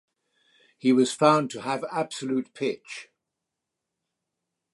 He was found to have absolute pitch.